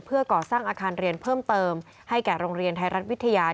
เพื่อก่อสร้างอาคารเรียนเพิ่มเติมให้แก่โรงเรียนไทยรัฐวิทยา